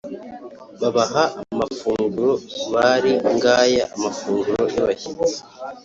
babaha amafunguro, bari ngaya amafunguro y’abashyitsi.